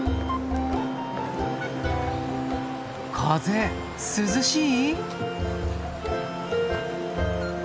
風涼しい？